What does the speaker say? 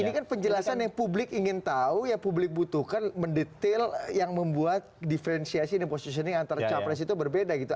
ini kan penjelasan yang publik ingin tahu yang publik butuhkan mendetail yang membuat diferensiasi dan positioning antar capres itu berbeda gitu